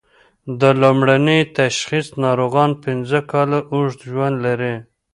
د لومړني تشخیص ناروغان پنځه کاله اوږد ژوند لري.